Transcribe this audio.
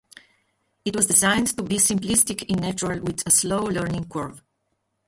It was designed to be simplistic in nature with a slow learning curve.